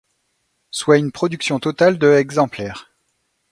Soit une production totale de exemplaires.